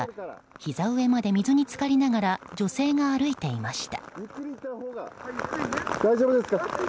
ひざ上まで水に浸かりながら女性が歩いていました。